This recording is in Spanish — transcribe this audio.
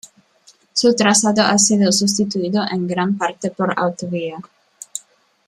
Su trazado ha sido sustituido en gran parte por autovía.